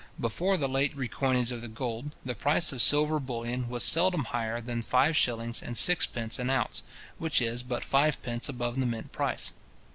Before the late recoinage of the gold, the price of silver bullion was seldom higher than five shillings and sevenpence an ounce, which is but fivepence above the mint price.